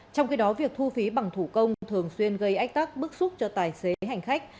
trong khi đó việc thu phí bằng thủ công thường xuyên gây ách tắc bức xúc cho tài xế hành khách